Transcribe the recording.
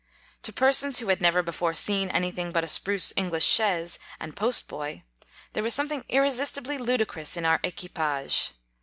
To persons who had never before seen any thing but a spruce English chaise and post boy, there was something irresist ibly ludicrous in our equipage.